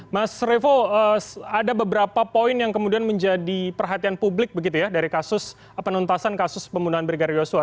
mas revo ada beberapa poin yang kemudian menjadi perhatian publik begitu ya dari kasus penuntasan kasus pembunuhan brigadir yosua